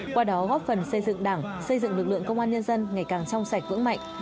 qua đó góp phần xây dựng đảng xây dựng lực lượng công an nhân dân ngày càng trong sạch vững mạnh